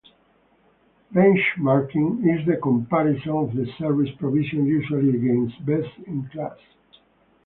Benchmarking is the comparison of the service provision usually against best in class.